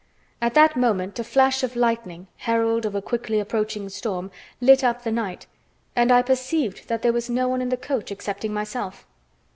At that moment a flash of lightning, herald of a quickly approaching storm, lit up the night, and I perceived that there was no one in the coach excepting myself.